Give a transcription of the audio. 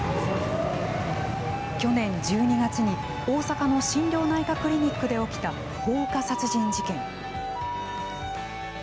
去年１２月に、大阪の心療内科クリニックで起きた放火殺人事件。